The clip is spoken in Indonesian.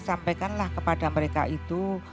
sampaikanlah kepada mereka itu